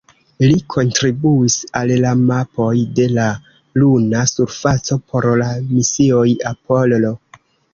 Li kontribuis al la mapoj de la luna surfaco por la misioj Apollo.